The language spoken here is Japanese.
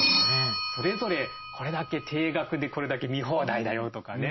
それぞれこれだけ定額でこれだけ見放題だよとかね